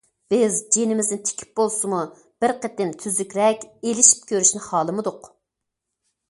بىز جېنىمىزنى تىكىپ بولسىمۇ بىر قېتىم تۈزۈكرەك ئېلىشىپ كۆرۈشنى خالىمىدۇق.